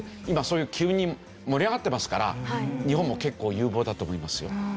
今そういう急に盛り上がってますから日本も結構有望だと思いますよ。